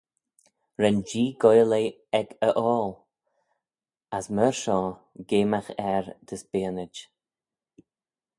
Ren Jee goaill eh ec e 'ockle, as myr shoh geamagh er dys beaynid.